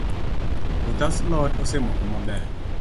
Koth alot osemoko maber